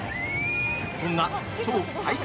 そんな超体感